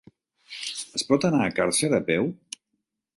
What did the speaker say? Es pot anar a Càrcer a peu?